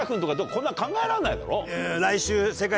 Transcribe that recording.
こんなの考えられないだろ？